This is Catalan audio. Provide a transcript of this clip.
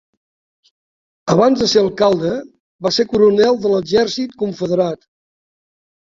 Abans de ser alcalde, va ser coronel de l'Exèrcit Confederat.